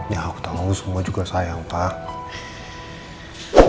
ya aku tau semua juga sayang pak